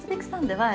はい。